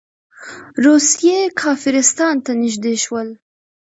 روسیې کافرستان ته نږدې شول.